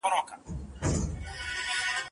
خدایه زخم مي ناصور دی مسیحا در څخه غواړم